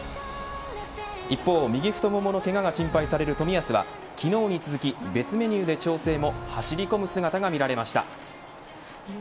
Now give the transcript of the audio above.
一方、右太もものけがが心配される冨安は昨日に続き別メニューで調整も走りこむ姿が見られました。